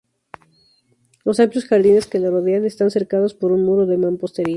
Los amplios jardines que le rodean están cercados por un muro de mampostería.